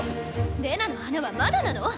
レナの花はまだなの？